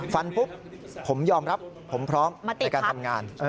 ปุ๊บผมยอมรับผมพร้อมในการทำงาน